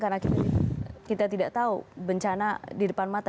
karena kita tidak tahu bencana di depan mata